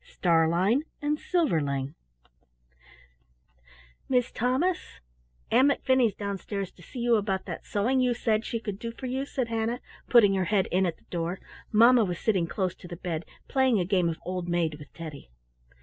STARLEIN AND SILVERLING Mis' Thomas, Ann McFinney's downstairs to see you about that sewing you said she could do for you," said Hannah, putting her head in at the door. Mamma was sitting close to the bed playing a game of Old Maid with Teddy.